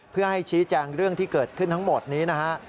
เพื่อให้ชี้แจงเรื่องที่เกิดขึ้นทั้งหมดนี้นะฮะ